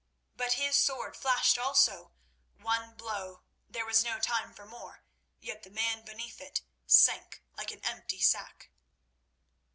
But his sword flashed also, one blow—there was no time for more—yet the man beneath it sank like an empty sack.